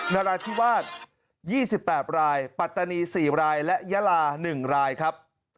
นราธิวาส๒๘รายปัตตานี๔รายและยาลา๑รายครับ